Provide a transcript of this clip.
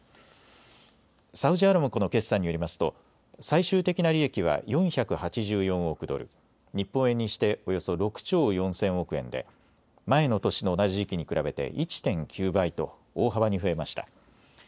サウジアラムコの決算によりますと最終的な利益は４８４億ドル、日本円にしておよそ６兆４０００億円で前の年の同じ時期に比べて１．９倍と大幅に増えました。